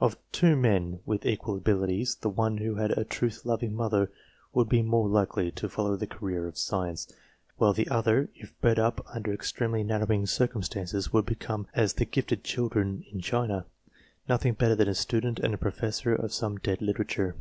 Of two men with equal abilities, the one who had a truth loving mother would be the more likely to follow the career of science ; while the other, if bred up under extremely narrowing circumstances, would become as the gifted children in China, nothing better than a student and professor of some dead literature.